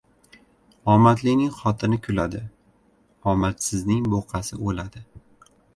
• Omadlining xotini kuladi, omadsizning buqasi o‘ladi.